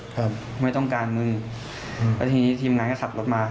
ครับไม่ต้องการมึงอืมแล้วทีนี้ทีมงานก็ขับรถมา